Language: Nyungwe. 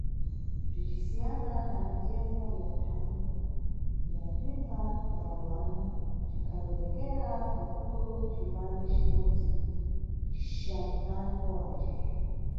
Bzicisiyana na mitemo ya dambwe ya mphimpha ya Goana, cikhaperekera ku ku mkulo cipande cibodzi ca mtantho wace.